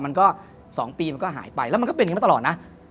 มันก็๒ปีมันก็หายไปแล้วมันก็เป็นอย่างนี้มาตลอดนะ